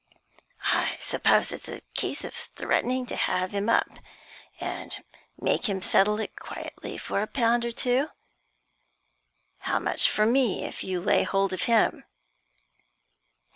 "I suppose it's a case of threatening to have him up, and make him settle it quietly for a pound or two? How much for me if you lay hold of him?"